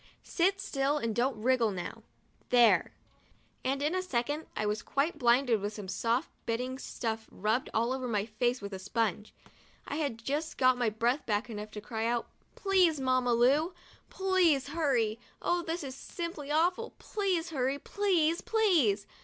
Sit still and don't wriggle now. There —■*" and in a second I was quite blinded with some soft biting stuff rubbed all over my face with a sponge. I had just got my breath back enough to cry out :" Please, Mamma Lu, please hurry! Oh, this is simply awful ! Please hurry! please, please!'